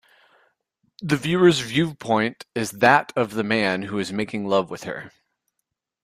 The viewer's viewpoint is that of the man who is making love with her.